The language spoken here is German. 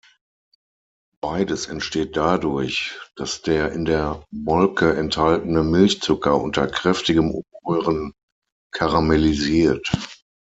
Beides entsteht dadurch, dass der in der Molke enthaltene Milchzucker unter kräftigem Umrühren karamellisiert.